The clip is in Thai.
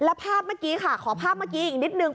แล้วภาพเมื่อกี้ค่ะขอภาพเมื่อกี้อีกนิดนึง